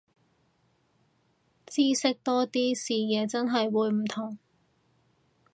知識多啲，視野真係會唔同